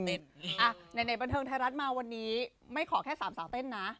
ไหนบันเทิงไทยรัฐมาวันนี้ไม่ขอแค่สามสาวเต้นนะ